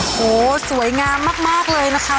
โหสวยงามมากเลยนะคะ